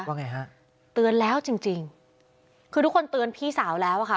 ว่าไงฮะเตือนแล้วจริงจริงคือทุกคนเตือนพี่สาวแล้วอ่ะค่ะ